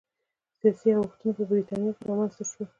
سیاسي اوښتونونه په برېټانیا کې رامنځته شول.